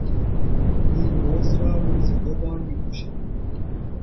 این بز را روزی دوبار میدوشند.